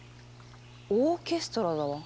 オーケストラだわ。